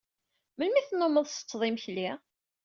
Melmi tennummeḍ tsetteḍ imekli?